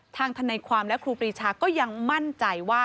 ทนายความและครูปรีชาก็ยังมั่นใจว่า